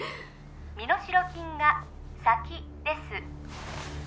身代金が先です